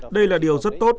đây là điều rất tốt